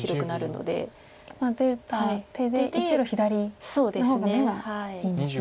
今出た手で１路左の方が眼がいいんですね。